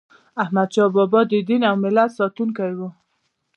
احمدشاه بابا د دین او ملت ساتونکی و.